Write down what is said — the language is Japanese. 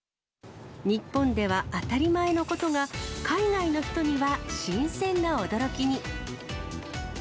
日本では当たり前のことが、海外の人には新鮮な驚きに。